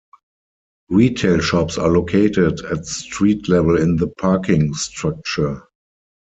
Retail shops are located at street level in the parking structure.